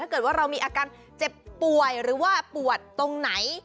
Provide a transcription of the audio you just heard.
เกิดว่าเรามีอาการเจ็บป่วยหรือว่าปวดตรงไหน